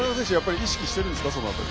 意識しているんですか？